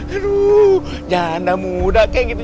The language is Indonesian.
aduh janda muda kayak gitu